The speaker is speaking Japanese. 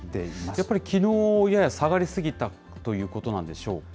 やっぱりきのう、やや下がり過ぎたということなんでしょうか。